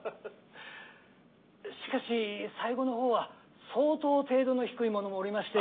しかし最後のほうは相当程度の低い者もおりまして。